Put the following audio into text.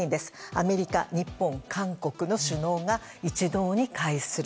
アメリカ、日本、韓国の首脳が一堂に会する。